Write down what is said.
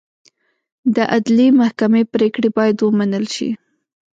د عدلي محکمې پرېکړې باید ومنل شي.